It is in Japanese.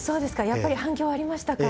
やっぱり反響はありましたか。